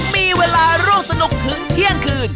มีเวลาร่วมสนุกถึงเที่ยงคืน